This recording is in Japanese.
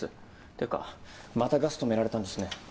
てかまたガス止められたんですね。